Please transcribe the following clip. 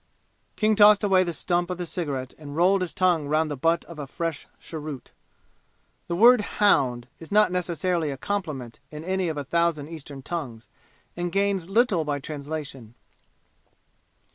King tossed away the stump of the cigarette and rolled his tongue round the butt of a fresh cheroot. The word "hound" is not necessarily a compliment in any of a thousand Eastern tongues and gains little by translation.